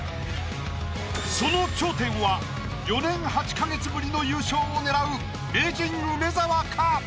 その頂点は４年８か月ぶりの優勝を狙う名人梅沢か？